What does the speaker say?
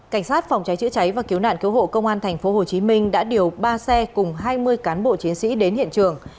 cảnh sát phòng cháy chữa cháy và cứu nạn cứu hộ công an tp hcm đã điều ba xe cùng hai mươi cán bộ chiến sĩ đến hiện trường